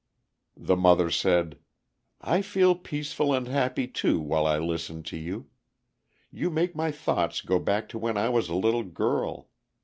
The mother said: "I feel peaceful and happy too while I listen to you. You make my thoughts go back to when I was a little girl.